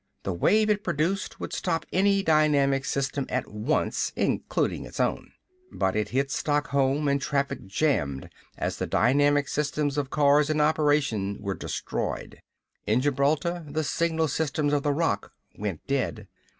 The wave it produced would stop any dynamic system at once, including its own. But it hit Stockholm and traffic jammed as the dynamic systems of cars in operation were destroyed. In Gibraltar, the signal systems of the Rock went dead.